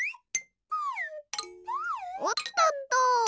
おっとっと！